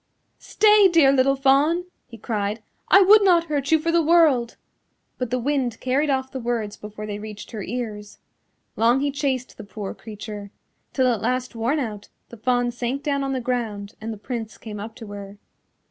"Stay, dear little Fawn," he cried, "I would not hurt you for the world." But the wind carried off the words before they reached her ears. Long he chased the poor creature, till at last worn out the Fawn sank down on the ground and the Prince came up to her.